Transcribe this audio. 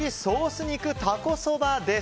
肉タコそばです。